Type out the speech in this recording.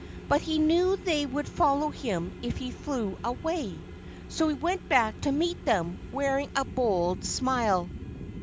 But he knew they would follow him if he flew away. So he went back to meet them, wearing a bold smile.